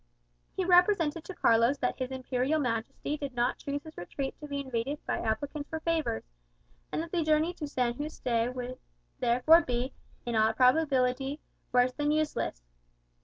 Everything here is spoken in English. He represented to Carlos that His Imperial Majesty did not choose his retreat to be invaded by applicants for favours, and that the journey to San Yuste would therefore be, in all probability, worse than useless.